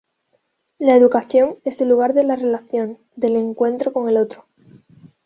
La educación es el lugar de la relación, del encuentro con el otro.